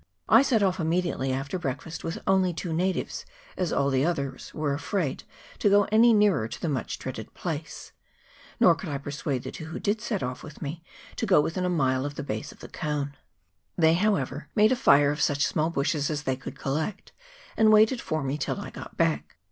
I set off immediately after break fast, with only two natives, as all the others were CHAP. XXIV.] OF TONGARIRO. 351 afraid to go any nearer to the much dreaded place ; nor could I persuade the two who did set off with with me to go within a mile of the base of the cone. They, however, made a fire of such small bushes as they could collect, and waited for me till I got back.